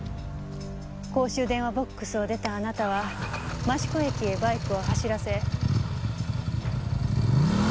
公衆電話ボックスを出たあなたは益子駅へバイクを走らせ。